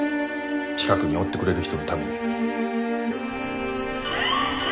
近くにおってくれる人のために。